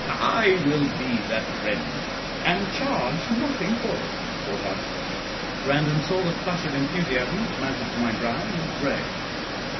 I will be that friend, and charge nothing for it," thought I. Grandon saw the flush of enthusiasm which mounted to my brow, and looked grave.